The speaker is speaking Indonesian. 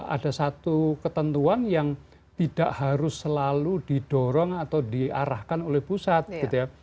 ada satu ketentuan yang tidak harus selalu didorong atau diarahkan oleh pusat gitu ya